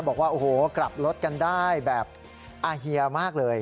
บอกว่าโอ้โหกลับรถกันได้แบบอาเฮียมากเลย